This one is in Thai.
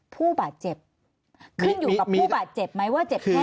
ผู้บาดเจ็บขึ้นอยู่กับผู้บาดเจ็บไหมว่าเจ็บแค่